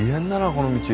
この道。